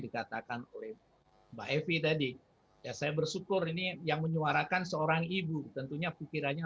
dikatakan oleh mbak evi tadi ya saya bersyukur ini yang menyuarakan seorang ibu tentunya pikirannya